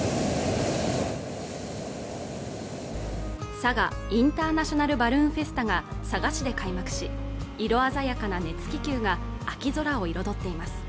佐賀インターナショナルバルーンフェスタが佐賀市で開幕し色鮮やかな熱気球が秋空を彩っています